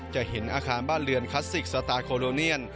จะเห็นอาคารบ้านเรือนคลาสสิกสตาร์โคโลเนียน